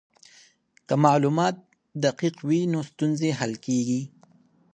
که معلومات دقیق وي نو ستونزې حل کیږي.